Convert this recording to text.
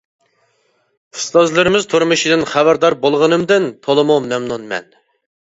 ئۇستازلىرىمىز تۇرمۇشىدىن خەۋەردار بولغىنىمدىن تولىمۇ مەمنۇنمەن.